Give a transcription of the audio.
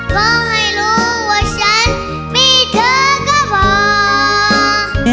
ขอให้รู้ว่าฉันมีเธอก็บอก